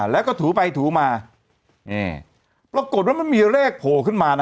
แล้วก็ถูไปถูมานี่ปรากฏว่ามันมีเลขโผล่ขึ้นมานะ